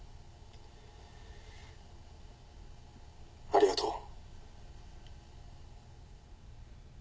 ありがとう。